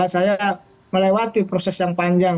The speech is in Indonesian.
saya melewati proses yang panjang